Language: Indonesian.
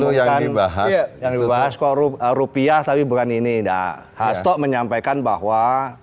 sebaiknya ini menurut saya yang dibahas kalau rupiah bukan ini nah hasto menyampaikan bahwa